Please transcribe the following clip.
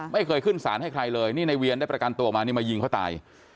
ไม่เคยขึ้นสารให้ใครเลยนี่ในเวียนได้ประกันตัวออกมานี่มายิงเขาตาย